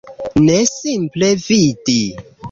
Ne, simple vidi.